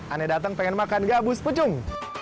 anda datang pengen makan gabus pucung